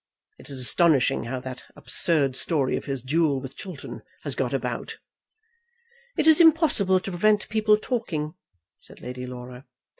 It is astonishing how that absurd story of his duel with Chiltern has got about." "It is impossible to prevent people talking," said Lady Laura.